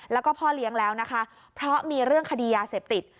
แล้วก็พ่อเลี้ยงแล้วนะคะเพราะมีเรื่องคดียาเสพติด